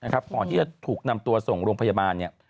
ก่อนที่จะถูกนำตัวส่งโรงพยาบาล